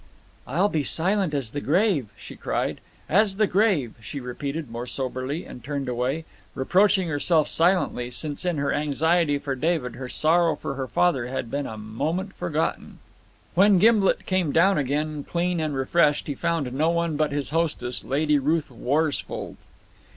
"I'll be silent as the grave," she cried. "As the grave," she repeated more soberly, and turned away, reproaching herself silently, since in her anxiety for David her sorrow for her father had been a moment forgotten. When Gimblet came down again, clean and refreshed, he found no one but his hostess, Lady Ruth Worsfold.